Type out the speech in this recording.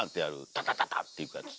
タタタタッていくやつ。